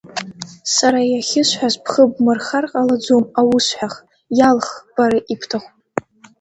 Сара иахьысҳәаз бхы бмырхар ҟалаӡом аусҳәах, иалх бара ибҭаху.